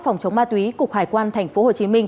phòng chống ma túy cục hải quan tp hcm